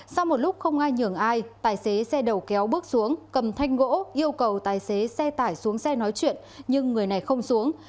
sau một lúc không ai nhường ai tài xế xe đầu kéo bước xuống cầm thanh gỗ yêu cầu tài xế xe tải xuống xe nói chuyện nhưng người này không xuống